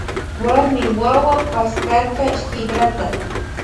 Warmi wawa paskarka shikrata.